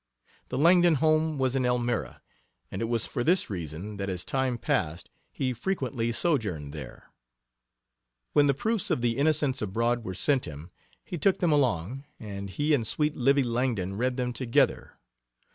The Langdon home was in Elmira, and it was for this reason that as time passed he frequently sojourned there. When the proofs of the Innocents Abroad were sent him he took them along, and he and sweet "Livy" Langdon read them together.